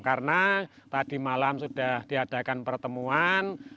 karena tadi malam sudah diadakan pertemuan